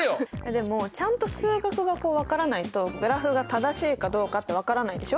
でもちゃんと数学が分からないとグラフが正しいかどうかって分からないでしょ？